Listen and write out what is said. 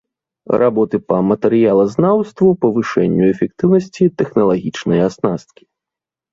Работы па матэрыялазнаўству, павышэнню эфектыўнасці тэхналагічнай аснасткі.